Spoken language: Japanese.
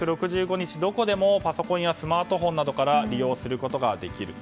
どこでもパソコンやスマートフォンなどから利用することができる。